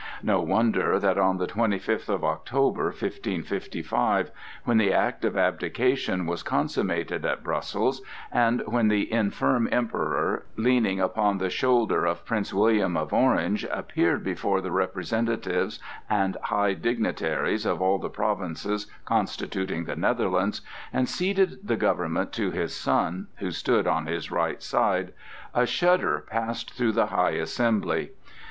No wonder that on the twenty fifth of October, 1555, when the act of abdication was consummated at Brussels, and when the infirm Emperor, leaning upon the shoulder of Prince William of Orange, appeared before the representatives and high dignitaries of all the provinces constituting the Netherlands, and ceded the government to his son, who stood on his right side, a shudder passed through the high assembly.